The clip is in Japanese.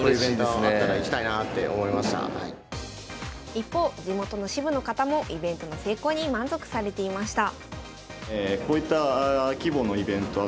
一方地元の支部の方もイベントの成功に満足されていました。